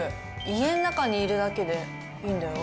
家の中にいるだけでいいんだよ。